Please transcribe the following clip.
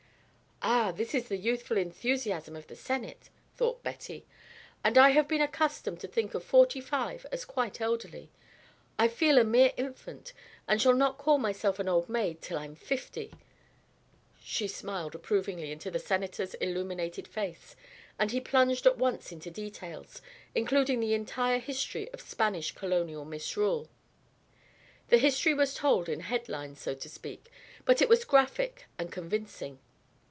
"Ah, this is the youthful enthusiasm of the Senate," thought Betty. "And I have been accustomed to think of forty five as quite elderly. I feel a mere infant and shall not call myself an old maid till I'm fifty." She smiled approvingly into the Senator's illuminated face, and he plunged at once into details, including the entire history of Spanish colonial misrule. The history was told in head lines, so to speak, but it was graphic and convincing.